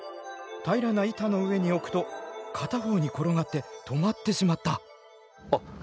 平らな板の上に置くと片方に転がって止まってしまった。